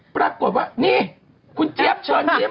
ปรากฏว่านี่คุณเจี๊ยบเชิญยิ้ม